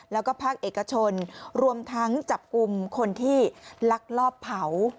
แล้วก็ภาคเอกชนรวมทั้งจับกลุ่มคนที่ลักลอบเผา